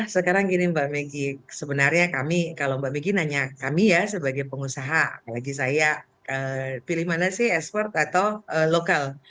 sekarang gini mbak meggy sebenarnya kami kalau mbak meggy nanya kami ya sebagai pengusaha apalagi saya pilih mana sih ekspor atau lokal